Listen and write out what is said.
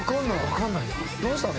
どうしたの？